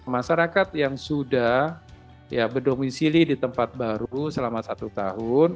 masyarakat yang sudah berdomisili di tempat baru selama satu tahun